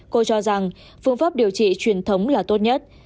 cô cho rằng phương pháp điều trị truyền thống là tốt nhất